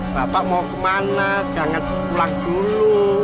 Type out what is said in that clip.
bapak mau ke mana jangan pulang dulu